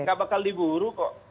nggak bakal di buruh kok